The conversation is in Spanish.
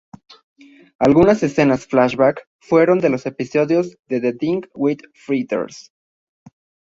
Algunas escenas flashback fueron de los episodio The Thing with Feathers.